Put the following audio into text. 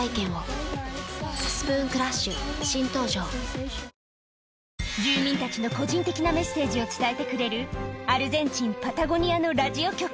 きょうは２時９分から始まり住民たちの個人的なメッセージを伝えてくれる、アルゼンチン・パタゴニアのラジオ局。